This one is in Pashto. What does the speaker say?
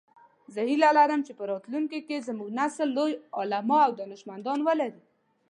زه هیله لرم چې په راتلونکي کې زموږ نسل لوی علماء او دانشمندان ولری